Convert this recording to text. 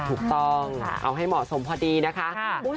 ถูกต้องเอาให้เหมาะสมพอดีนะคะ